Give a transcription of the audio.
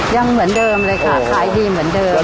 ยังเหมือนเดิมเลยค่ะขายดีเหมือนเดิม